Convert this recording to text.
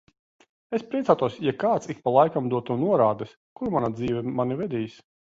Es priecātos, ja kāds ik pa laikam dotu norādes, kur mana dzīve mani vedīs.